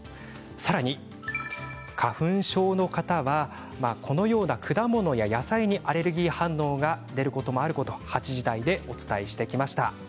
さらに花粉症の方はこのような果物や野菜にアレルギー反応が出ることがあることを８時台でお伝えしてきました。